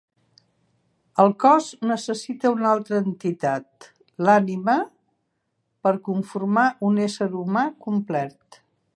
El cos necessita una altra entitat, l'ànima, per conformar un ésser humà complet.